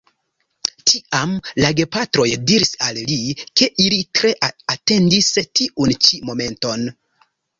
Tiam la gepatroj diris al li, ke ili tre atendis tiun ĉi momenton.